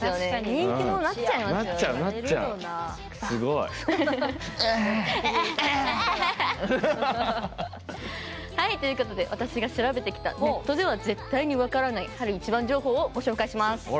人気者になっちゃいますよ。ということで、私が調べてきたネットでは絶対に分からない晴いちばん情報をご紹介します。